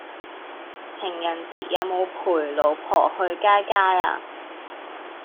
情人節有無陪老婆去街街呀